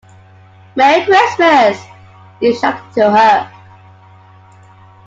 “Merry Christmas!” he shouted to her.